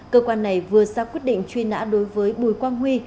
cơ quan này vừa ra quyết định truy nã đối với bùi quang huy